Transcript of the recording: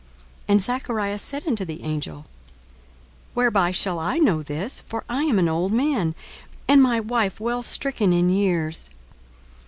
42:001:018 And Zacharias said unto the angel, Whereby shall I know this? for I am an old man, and my wife well stricken in years.